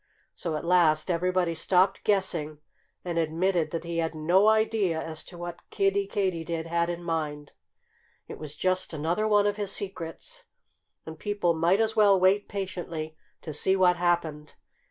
So at last everybody stopped guessing and admitted that he had no idea as to what Kiddie Katydid had in mind. It was just another one of his secrets. And people might as well wait patiently to see what happened.